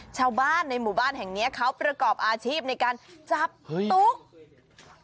ชาวบ้านในหมู่บ้านแห่งนี้เขาประกอบอาชีพในการจับตุ๊ก